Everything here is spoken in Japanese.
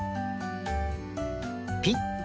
ピッ！